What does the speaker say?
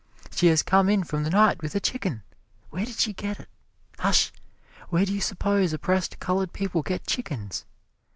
She has come in from the night with a chicken! Where did she get it? Hush! Where do you suppose oppressed colored people get chickens?